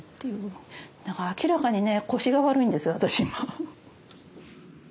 だから明らかにね腰が悪いんです私今。